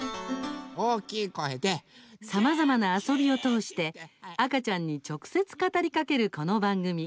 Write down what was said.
さまざまな遊びを通して赤ちゃんに直接語りかけるこの番組。